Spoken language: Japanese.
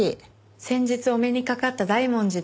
先日お目にかかった大門寺です。